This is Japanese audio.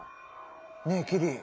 ねえキリ